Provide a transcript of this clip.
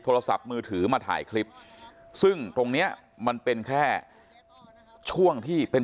โทรศัพท์มือถือมาถ่ายคลิปซึ่งตรงเนี้ยมันเป็นแค่ช่วงที่เป็น